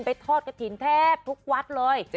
ทอดกระถิ่นแทบทุกวัดเลย